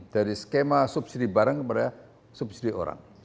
dari skema subsidi barang kepada subsidi orang